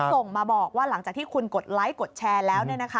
ส่งมาบอกว่าหลังจากที่คุณกดไลค์กดแชร์แล้ว